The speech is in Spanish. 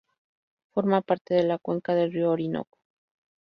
Forma parte de la cuenca del río Orinoco.